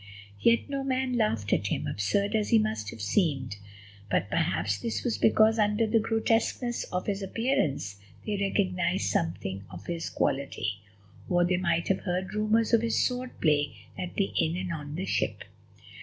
Yet no man laughed at him, absurd as he must have seemed; but perhaps this was because under the grotesqueness of his appearance they recognised something of his quality. Or they might have heard rumours of his sword play at the inn and on the ship.